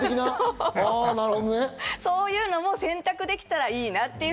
そういうのも選択できたらいいな